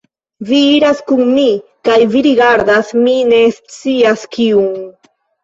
Vi iras kun mi, kaj vi rigardas mi ne scias kiun.